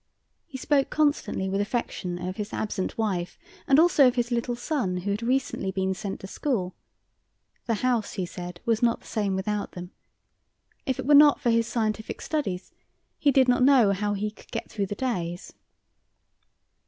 He spoke constantly with affection of his absent wife, and also of his little son, who had recently been sent to school. The house, he said, was not the same without them. If it were not for his scientific studies, he did not know how he could get through the days.